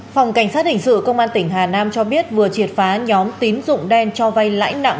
phòng cảnh sát hình sự công an tỉnh hà nam cho biết vừa triệt phá nhóm tín dụng đen cho vay lãi nặng